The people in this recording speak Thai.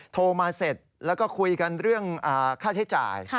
โทรมาเสร็จแล้วก็คุยกันเรื่องค่าใช้จ่าย